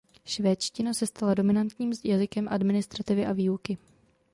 Švédština se stala dominantním jazykem administrativy a výuky.